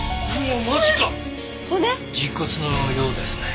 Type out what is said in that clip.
人骨のようですね。